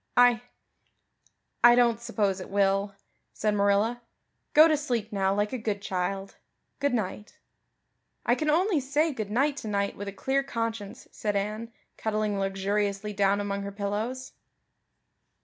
"I I don't suppose it will," said Marilla. "Go to sleep now like a good child. Good night." "I can only say good night tonight with a clear conscience," said Anne, cuddling luxuriously down among her pillows.